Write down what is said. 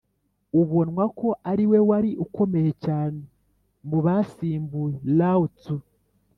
ubonwa ko ari we wari ukomeye cyane mu basimbuye lao-tzu.